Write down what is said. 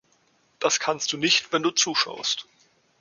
Das kann ich nicht, wenn du zuschaust.